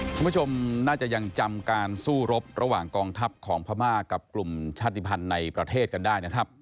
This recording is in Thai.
คุณผู้ชมน่าจะยังจำการสู้รบระหว่างกองทัพของพม่ากับกลุ่มชาติภัณฑ์ในประเทศกันได้นะครับ